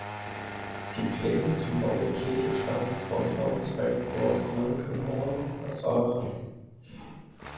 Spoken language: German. Die Pläne zum Bau der Kirche stammen von Bauinspektor Blankenhorn aus Aachen.